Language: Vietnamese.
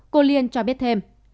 cô liên cho biết thêm